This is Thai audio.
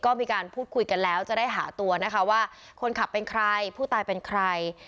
ก็มีการพูดคุยกันแล้วจะได้หาตัวนะคะว่าคนขับเป็นใครผู้ตายเป็นใคร